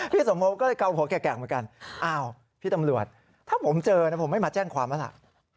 สมพบก็เลยเกาหัวแก่งเหมือนกันอ้าวพี่ตำรวจถ้าผมเจอนะผมไม่มาแจ้งความแล้วล่ะ